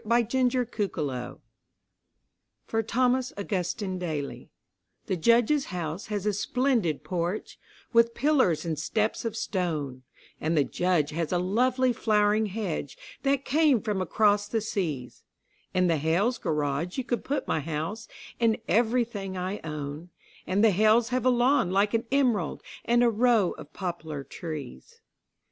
The Snowman in the Yard (For Thomas Augustine Daly) The Judge's house has a splendid porch, with pillars and steps of stone, And the Judge has a lovely flowering hedge that came from across the seas; In the Hales' garage you could put my house and everything I own, And the Hales have a lawn like an emerald and a row of poplar trees.